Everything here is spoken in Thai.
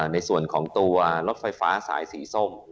ในส่วนของตัวรถไฟฟ้าสายสีส้ม